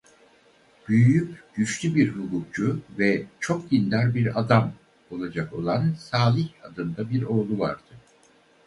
Büyüyüp "güçlü bir hukukçu" ve "çok dindar bir adam" olacak olan Salih adında bir oğlu vardı.